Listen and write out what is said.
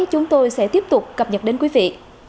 chúng tôi sẽ tiếp tục cập nhật đến quý vị